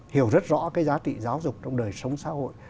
hiểu rất rõ cái giá trị giáo dục trong đời sống xã hội